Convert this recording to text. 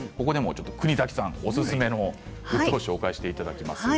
国崎さん、おすすめのものをご紹介していただきます。